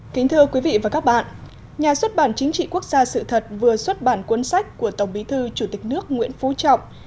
kính thưa quý vị và các bạn nhà xuất bản chính trị quốc gia sự thật vừa xuất bản cuốn sách của tổng bí thư chủ tịch nước nguyễn phú trọng